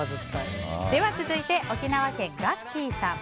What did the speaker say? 続いて、沖縄県の方。